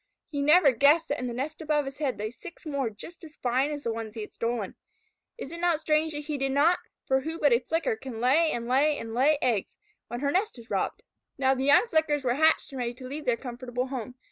He never guessed that in the nest above his head lay six more just as fine as the ones he had stolen. It is not strange that he did not, for who but a Flicker can lay and lay and lay eggs when her nest is robbed? Now the young Flickers were hatched and ready to leave their comfortable home.